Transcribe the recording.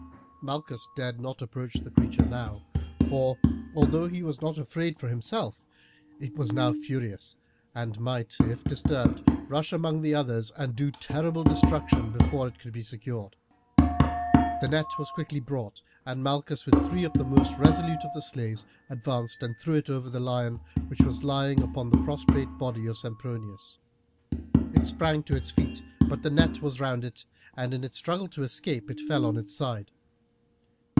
Malchus dared not approach the creature now, for though he was not afraid for himself, it was now furious, and might, if disturbed, rush among the others and do terrible destruction before it could be secured. The net was quickly brought, and Malchus, with three of the most resolute of the slaves, advanced and threw it over the lion, which was lying upon the prostrate body of Sempronius. It sprang to its feet, but the net was round it, and in its struggle to escape it fell on its side.